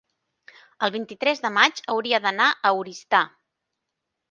el vint-i-tres de maig hauria d'anar a Oristà.